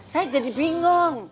saya jadi bingung